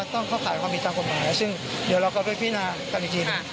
ต้องเข้าข่ายความผิดตามกฎหมายซึ่งเดี๋ยวเราก็ไปพินากันอีกทีหนึ่ง